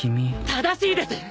正しいです！